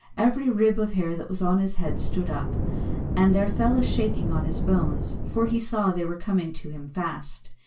Every rib of hair that was on his head stood up, and there fell a shaking on his bones, for he saw that they were coming to him fast.